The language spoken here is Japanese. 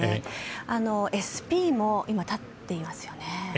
ＳＰも今、立っていますね。